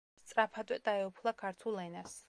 სწრაფადვე დაეუფლა ქართულ ენას.